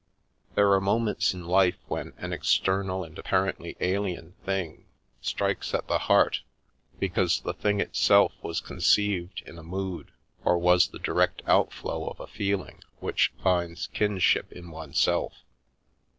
There are moments in life when an external and ap parently alien thing strikes at the heart, because the thing itself was conceived in a mood or was the direct outflow of a feeling which finds kinship in oneself.